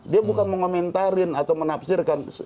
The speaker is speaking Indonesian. dia bukan mengomentari atau menafsirkan